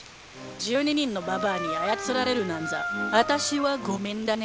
１２人のババアに操られるなんざあたしは御免だね。